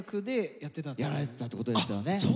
やられてたってことですよね。